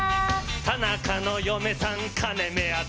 田中の嫁さん金目当て。